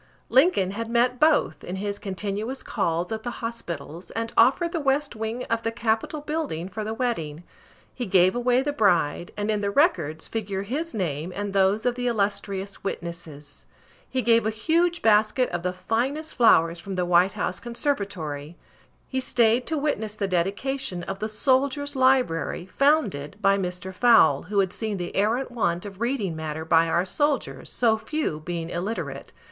Lincoln had met both, in his continuous calls at the hospitals, and offered the west wing of the Capitol building for the wedding. He gave away the bride, and in the records figure his name and those of the illustrious witnesses. He gave a huge basket of the finest flowers from the White House conservatory. He stayed to witness the dedication of the Soldier's Library, founded by Mr. Fowle, who had seen the arrant want of reading matter by our soldiers so few being illiterate.